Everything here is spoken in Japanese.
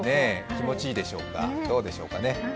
気持ちいいでしょうか、どうでしょうかね。